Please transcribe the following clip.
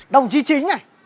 đồng chí chính này